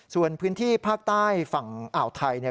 ส่วนพื้นที่ภาคใต้ฝั่งอ่าวไทยเนี่ย